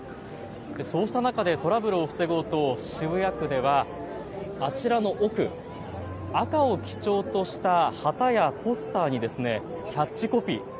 そうした中でトラブルを防ごうと渋谷区ではあちらの奥、赤を基調とした旗やポスターにキャッチコピー。